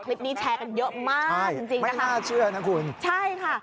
แชร์กันเยอะมากจริงจริงไม่น่าเชื่อนะคุณใช่ค่ะ